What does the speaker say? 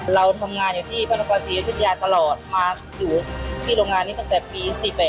เราทำงานอยู่ที่พระนครศรีอยุธยาตลอดมาอยู่ที่โรงงานนี้ตั้งแต่ปี๔๘